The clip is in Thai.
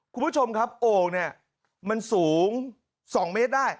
คุณผู้ชมครับโอ่งเนี่ยมันสูง๒เมตรได้